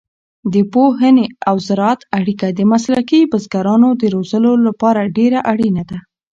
د پوهنې او زراعت اړیکه د مسلکي بزګرانو د روزلو لپاره ډېره اړینه ده.